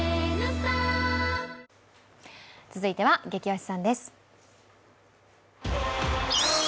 続いては「ゲキ推しさん」です。